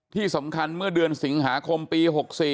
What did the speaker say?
ที่สำคัญเมื่อเดือนสิงหาคมปี๖๔